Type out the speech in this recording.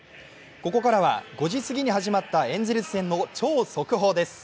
ここからは５時過ぎに始まったエンゼルス戦の超速報です。